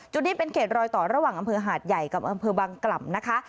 นี้เป็นเขตรอยต่อระหว่างอำเภอหาดใหญ่กับอำเภอบังกล่ำนะคะ